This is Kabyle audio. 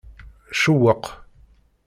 Cewweq.